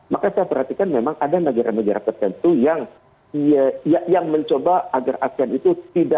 maka saya perhatikan memang ada negara negara tertentu yang mencoba agar asean itu tidak